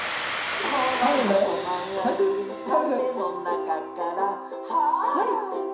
「ころんとまあるいたねのなかから」「ハイ！」